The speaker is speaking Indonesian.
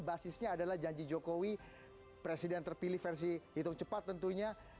basisnya adalah janji jokowi presiden terpilih versi hitung cepat tentunya